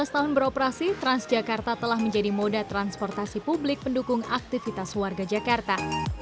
lima belas tahun beroperasi transjakarta telah menjadi moda transportasi publik pendukung aktivitas warga jakarta